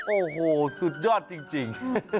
โอ้โหสุดยอดจริง